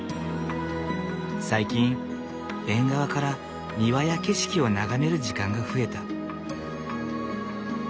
最近縁側から庭や景色を眺める時間が増えた。